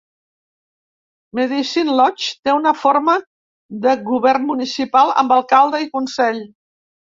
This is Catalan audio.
Medicine Lodge té una forma de govern municipal amb alcalde i consell.